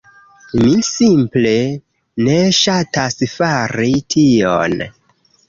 mi simple ne ŝatas fari tion.